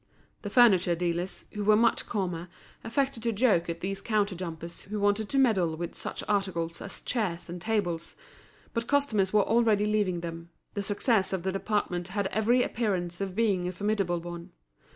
The furniture dealers, who were much calmer, affected to joke at these counter jumpers who wanted to meddle with such articles as chairs and tables; but customers were already leaving them, the success of the department had every appearance of being a formidable one.